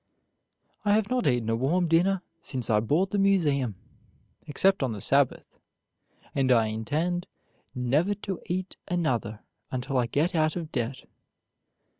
"I have not eaten a warm dinner since I bought the Museum, except on the Sabbath; and I intend never to eat another until I get out of debt."